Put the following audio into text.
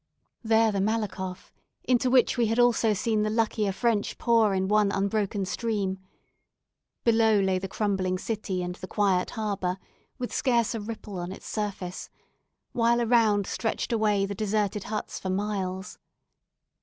There the Malakhoff, into which we had also seen the luckier French pour in one unbroken stream; below lay the crumbling city and the quiet harbour, with scarce a ripple on its surface, while around stretched away the deserted huts for miles.